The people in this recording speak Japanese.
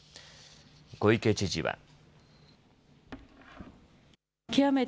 小池知事は。